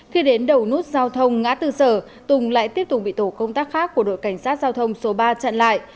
khi đến đầu nút giao thông ngã tư sở tùng lại tiếp tục bị tổ công tác khác của đội cảnh sát giao thông số ba chặn lại